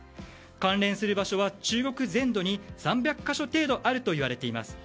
関連する場所は、中国全土に３００か所程度あるといわれています。